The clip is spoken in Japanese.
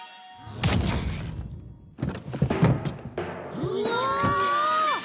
うわ！